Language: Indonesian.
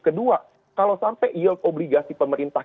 kedua kalau sampai yield obligasi pemerintah